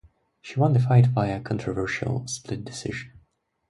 She won the fight via controversial split decision.